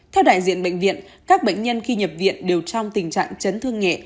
theo đại diện bệnh viện các bệnh nhân khi nhập viện đều trong tình trạng chấn thương nhẹ